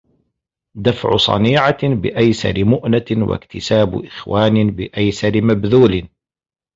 دَفْعُ صَنِيعَةٍ بِأَيْسَرِ مُؤْنَةٍ وَاكْتِسَابُ إخْوَانٍ بِأَيْسَرِ مَبْذُولٍ